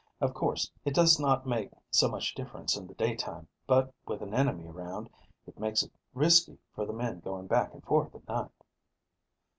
Of course, it does not make so much difference in the daytime, but, with an enemy around, it makes it risky for the men going back and forth at night."